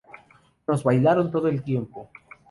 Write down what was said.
Nos bailaron todo el tiempo.